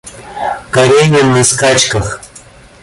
Каренин на скачках.